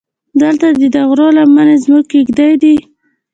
دلته دې د غرو لمنې زموږ کېږدۍ دي.